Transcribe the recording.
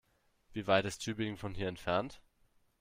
Wie weit ist Tübingen von hier entfernt?